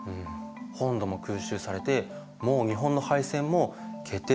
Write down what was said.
本土も空襲されてもう日本の敗戦も決定的だったのに？